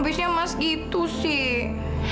habisnya mas gitu sih